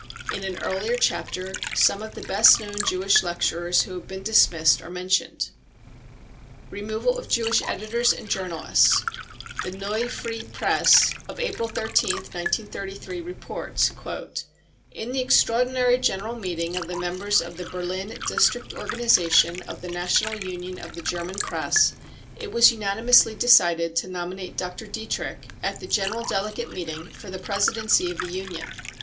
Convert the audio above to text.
In an earlier chapter some of the best known Jewish lecturers who have been dismissed are mentioned. 9 270 BROWN BOOK OF THE HITLER TERROR Removal of Jewish Editors and Journalists, The JVeue Freie Presse of April 13 th, 1933, reports :" In the extraordinary general meeting of members of the Berlin district organisation of the National Union of the German Press, it was unanimously decided to nominate Dr. Dietrich, at the general delegate meeting, for the presidency of the Union.